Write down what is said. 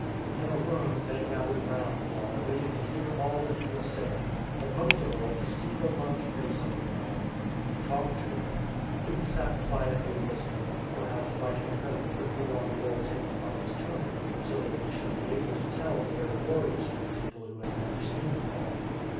In a room they gathered round Paul waiting to hear 280 STORM AND STRESS all that he would say, but most of all to see the loved face of the man. He talked to them. Luke sat quietly listening, perhaps writing a note quickly on a roll taken from his tunic, so that he should be able to tell the very words to the people who had never seen Paul.